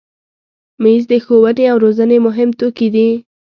مېز د ښوونې او روزنې مهم توکي دي.